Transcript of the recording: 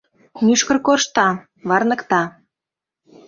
Мӱшкыр коршта, варныкта.